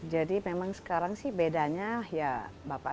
jadi memang sekarang sih bedanya ya bapak